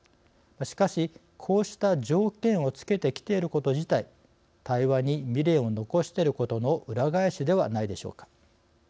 しかし、こうした条件をつけてきていること自体対話に未練を残していることの裏返しではないでしょうか。